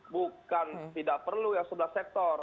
bukan tidak perlu yang sebelah sektor